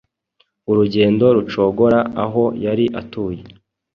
urugendo rucogora aho yari atuye: